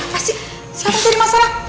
makasih jangan jadi masalah